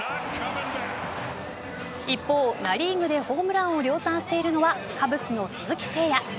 一方、ナ・リーグでホームランを量産しているのはカブスの鈴木誠也。